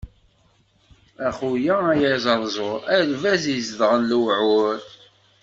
A xuya ay aẓerẓur, a lbaz izedɣen lewɛur.